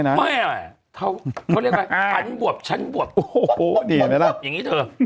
โอ้โฮเห็นไหมล่ะอย่างนี้แสบอย่างนี้เถอะ